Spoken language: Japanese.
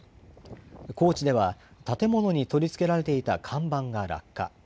高知では建物に取りつけられていた看板が落下。